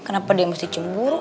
kenapa dia mesti cemburu